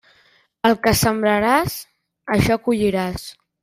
El que sembraràs, això colliràs.